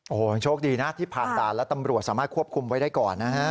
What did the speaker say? โอ้โหโชคดีนะที่ผ่านด่านแล้วตำรวจสามารถควบคุมไว้ได้ก่อนนะฮะ